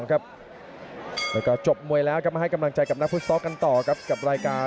แล้วก็จบมวยแล้วมาให้กำลังใจกับนักฟุตซอลกันต่อกับรายการ